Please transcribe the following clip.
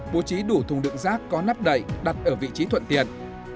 bố trí đủ thùng đựng rác có nắp đậy đặt ở vị trí thuận tiện